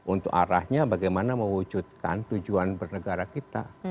untuk arahnya bagaimana mewujudkan tujuan bernegara kita